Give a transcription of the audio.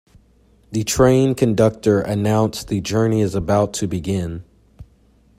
The train conductor announced the journey is about to begin.